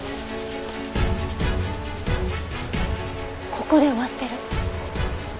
ここで終わってる。